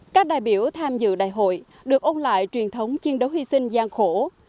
các đại biểu tham dự đại hội được ôn lại truyền thống chiến đấu hy sinh gian khổ